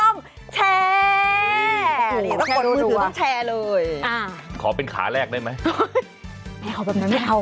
ขอแบบนั้นไม่เอา